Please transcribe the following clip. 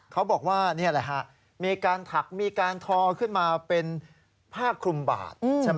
เขาบอกว่ามีการถักมีการทอขึ้นมาเป็นผ้าคลุมบาท